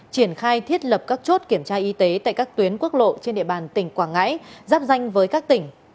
triển khai thiết lập các chốt kiểm tra y tế tại các tuyến quốc lộ trên địa bàn tỉnh quảng ngãi giáp danh với các tỉnh